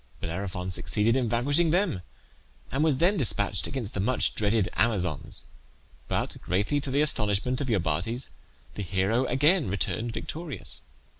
Bellerophon succeeded in vanquishing them, and was then despatched against the much dreaded Amazons; but greatly to the astonishment of Iobates the hero again returned victorious.